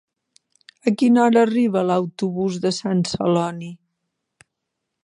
A quina hora arriba l'autobús de Sant Celoni?